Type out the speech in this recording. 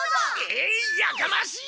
えいやかましい！